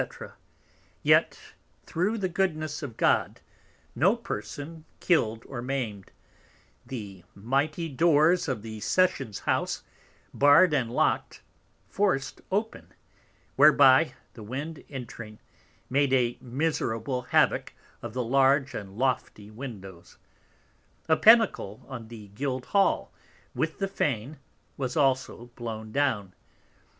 _ yet, through the Goodness of God, no Person killed or maimed: the mighty Doors of the Sessions house, barr'd and lock'd, forced open, whereby the Wind entring, made a miserable Havock of the large and lofty Windows: a Pinnacle on the Guild hall, with the Fane, was also blown down.